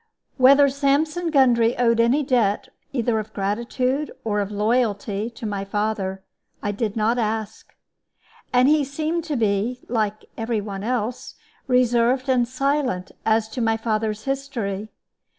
Whether Sampson Gundry owed any debt, either of gratitude or of loyalty, to my father, I did not ask; and he seemed to be (like every one else) reserved and silent as to my father's history.